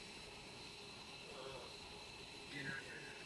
Američané tak již nebudou závislí pouze na ruské dopravě.